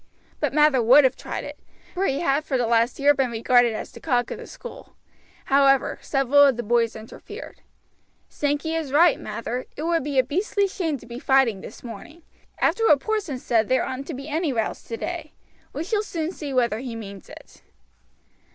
But Mather would have tried it, for he had for the last year been regarded as the cock of the school. However, several of the boys interfered. "Sankey is right, Mather; it would be a beastly shame to be fighting this morning. After what Porson said there oughtn't to be any rows today. We shall soon see whether he means it."